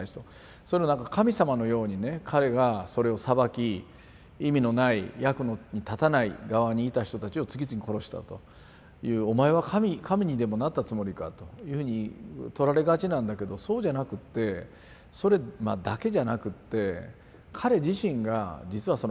それをなんか神様のようにね彼がそれを裁き意味のない役に立たない側にいた人たちを次々殺したという「お前は神にでもなったつもりか」というふうに取られがちなんだけどそうじゃなくってそれだけじゃなくって彼自身が実はその分断線ですね